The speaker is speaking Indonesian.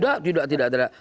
oh tidak tidak tidak